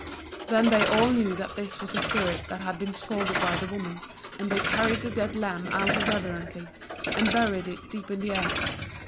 Then they all knew that this was the spirit that had been scalded by the woman, and they carried the dead lamb out reverently, and buried it deep in the earth.